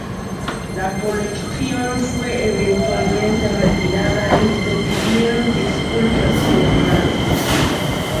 La colección fue eventualmente retirada y se pidieron disculpas formales.